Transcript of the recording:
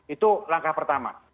itu langkah pertama